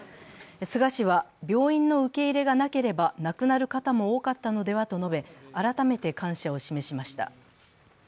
菅氏は病院の受け入れがなければ亡くなる方も多かったのではと述べ、改めて感謝を示しました。